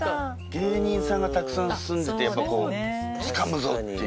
芸人さんがたくさん住んでてやっぱこうつかむぞっていう。